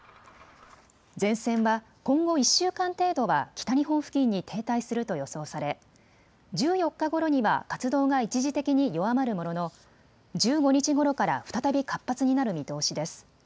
前線は今後１週間程度は北日本付近に停滞すると予想され１４日ごろには活動が一時的に弱まるものの１５日ごろから再び活発になる見通しです。